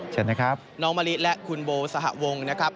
เชิญนะครับน้องมะลิและคุณโบสหวงนะครับ